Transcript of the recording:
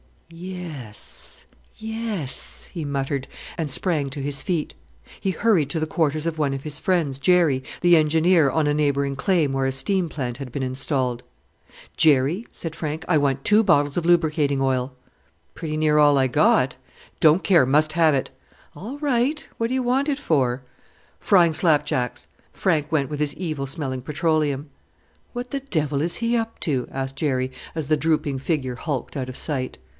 "Yes, yes!" he muttered, and sprang to his feet. He hurried to the quarters of one of his friends, Jerry, the engineer on a neighbouring claim where a steam plant had been installed. "Jerry," said Frank, "I want two bottles of lubricating oil." "Pretty near all I got." "Don't care must have it." "All right, what do you want it for?" "Frying slap jacks." Frank went with his evil smelling petroleum. "What the devil is he up to!" asked Jerry, as the drooping figure hulked out of sight.